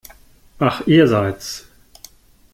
Ach, ihr seid's!